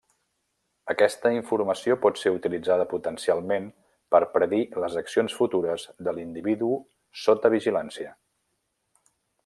Aquesta informació pot ser utilitzada potencialment per predir les accions futures de l'individu sota vigilància.